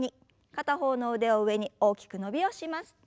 片方の腕を上に大きく伸びをします。